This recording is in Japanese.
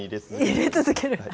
入れ続ける。